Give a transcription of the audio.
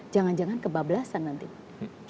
jangan jangan kebablasan nanti